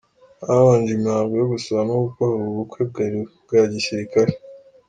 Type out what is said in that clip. Habanje imihango yo gusaba no gukwaUbu bukwe bwari ubwa gisirikare